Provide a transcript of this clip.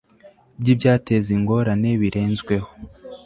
by ibyateza ingorane birenzweho